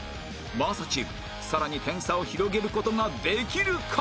真麻チームさらに点差を広げる事ができるか？